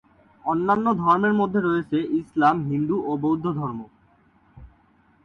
অন্যান্য ধর্মের মধ্যে রয়েছে ইসলাম, হিন্দু ও বৌদ্ধধর্ম।